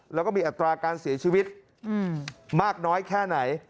แล้วก็มีอัตราการเสียชีวิตมากน้อยแค่ไหน